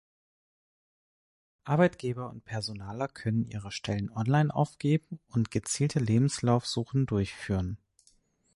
Arbeitgeber und Personaler können ihre Stellen online aufgeben und gezielte Lebenslaufsuchen durchführen.